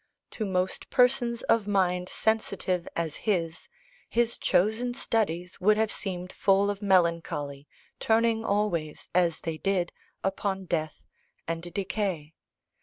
To most persons of mind sensitive as his, his chosen studies would have seemed full of melancholy, turning always, as they did, upon death and decay.